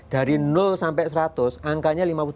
dari sampai seratus angkanya lima puluh tujuh